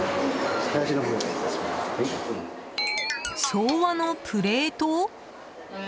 昭和のプレート？